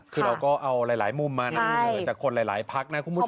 คือเราก็เอาหลายมุมมานะจากคนหลายพักนะคุณผู้ชม